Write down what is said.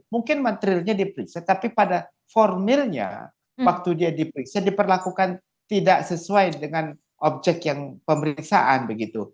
mungkin materialnya diperiksa tapi pada formilnya waktu dia diperiksa diperlakukan tidak sesuai dengan objek yang pemeriksaan begitu